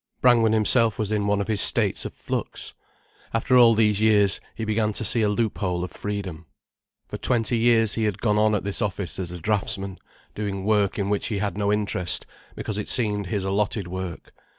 Brangwen himself was in one of his states or flux. After all these years, he began to see a loophole of freedom. For twenty years he had gone on at this office as a draughtsman, doing work in which he had no interest, because it seemed his allotted work.